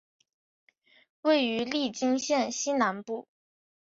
位于利津县西南部。